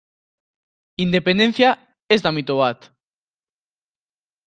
Independentzia ez da mito bat.